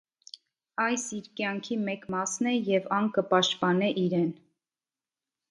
Այս իր կեանքի մէկ մասն է, եւ ան կը պաշտպանէ իրեն։